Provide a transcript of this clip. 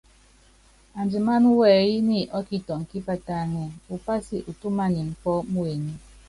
Andimáná wɛyí nyi ɔ́kitɔŋ kípatáŋɛ́, upási utúmanin pɔ́ muenyí.